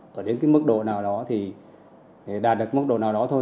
để đến mức độ nào đó thì đạt được mức độ nào đó thôi